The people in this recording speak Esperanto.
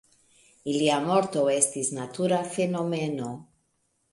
Ilia morto estis natura fenomeno.